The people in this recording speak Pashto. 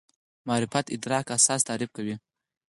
معرفت ادراک اساس تعریف کوي.